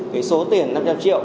cái số tiền năm trăm linh triệu